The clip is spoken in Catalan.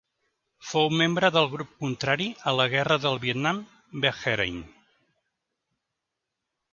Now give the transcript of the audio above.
Fou membre del grup contrari a la guerra del Vietnam Beheiren.